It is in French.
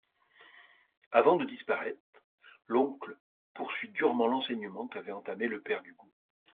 Avant de disparaître, l'oncle poursuit durement l'enseignement qu'avait entamé le père d'Hugo.